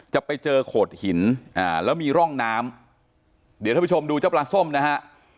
จะไปเจอโขดหินอ่าแล้วมีร่องน้ำเดี๋ยวท่านผู้ชมดูเจ้าปลาส้มนะฮะ